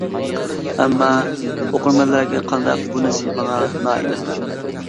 ئەمما، ئوقۇرمەنلەرگە قانداق بۇنىسى ماڭا نائېنىق.